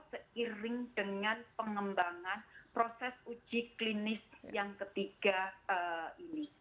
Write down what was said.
seiring dengan pengembangan proses uji klinis yang ketiga ini